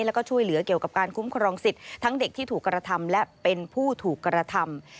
แล้วก็ช่วยเหลือเกี่ยวกับการคุ้มครองสิทธิ์ทั้งเด็กที่ถูกกระทำและเป็นผู้ถูกกระทำ